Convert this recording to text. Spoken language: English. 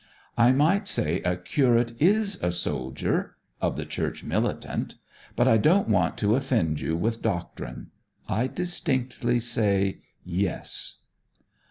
'I might say a curate is a soldier of the church militant; but I don't want to offend you with doctrine. I distinctly say, yes.'